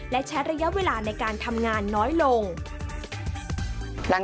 และใช้ระยะเวลาในการทำงานน้อยลง